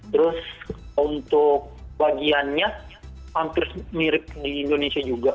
terus untuk bagiannya hampir mirip di indonesia juga